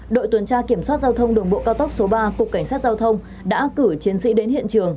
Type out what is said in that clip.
đội tuần tra kiểm soát giao thông đường bộ cao tốc số ba cục cảnh sát giao thông đã cử chiến sĩ đến hiện trường